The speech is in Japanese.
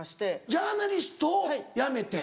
ジャーナリストを辞めて？